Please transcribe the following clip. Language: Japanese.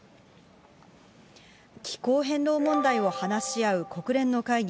気候変動問題を話し合う国連の会議